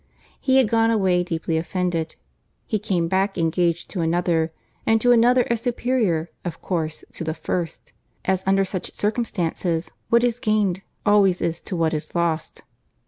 He had gone away deeply offended—he came back engaged to another—and to another as superior, of course, to the first, as under such circumstances what is gained always is to what is lost.